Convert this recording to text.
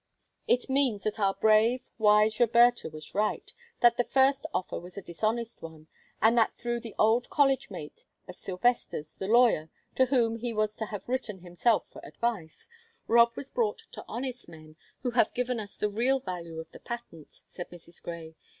"It means that our brave, wise Roberta was right; that the first offer was a dishonest one, and that through the old college mate of Sylvester's, the lawyer, to whom he was to have written himself for advice, Rob was brought to honest men, who have given us the real value of the patent," said Mrs. Grey.